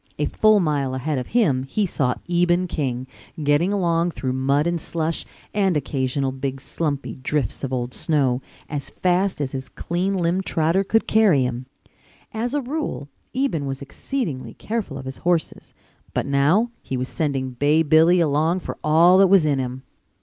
A full mile ahead of him he saw Eben King, getting along through mud and slush, and occasional big slumpy drifts of old snow, as fast as his clean limbed trotter could carry him. As a rule Eben was exceedingly careful of his horses, but now he was sending Bay Billy along for all that was in him.